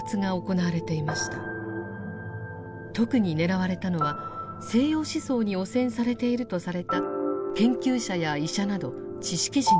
特に狙われたのは西洋思想に汚染されているとされた研究者や医者など知識人でした。